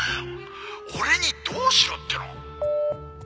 「俺にどうしろっての！？」